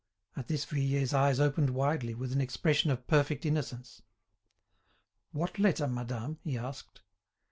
At this Vuillet's eyes opened widely, with an expression of perfect innocence. "What letter, madame?" he asked.